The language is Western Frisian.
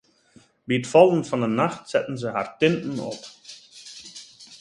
By it fallen fan 'e nacht setten se har tinten op.